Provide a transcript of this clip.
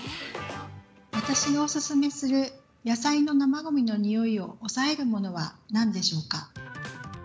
私がおすすめする野菜の生ごみのニオイを抑えるものは何でしょうか？